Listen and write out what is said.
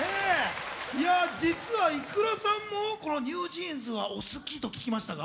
実はｉｋｕｒａさんもこのＮｅｗＪｅａｎｓがお好きと聞きましたが。